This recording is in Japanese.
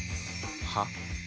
はっ？